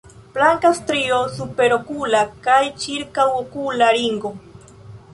Blanka strio superokula kaj ĉirkaŭokula ringo.